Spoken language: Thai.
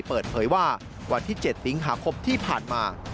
เปิดเผยว่าวันที่๗สิงหาคมที่ผ่านมา